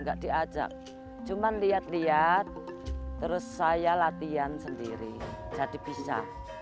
enggak diajak cuman lihat lihat terus saya latihan sendiri jadi bisa